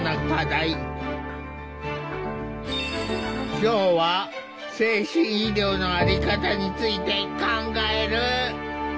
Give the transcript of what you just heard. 今日は精神医療の在り方について考える。